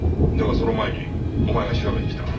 だがその前にお前が調べに来た。